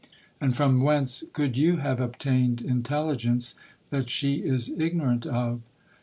'—'And from whence could you have obtained intelligence that she is ignorant of?'